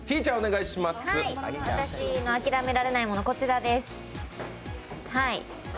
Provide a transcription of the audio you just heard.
私のあきらめられない物はこちらです。